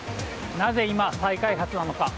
なぜ今、再開発なのか。